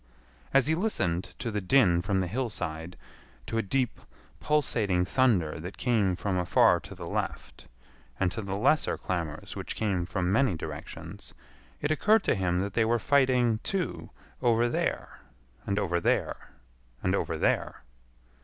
As he listened to the din from the hillside, to a deep pulsating thunder that came from afar to the left, and to the lesser clamors which came from many directions, it occurred to him that they were fighting, too, over there, and over there, and over there.